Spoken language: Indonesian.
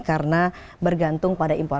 karena bergantung pada impor